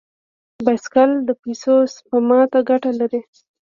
بایسکل د پیسو سپما ته ګټه لري.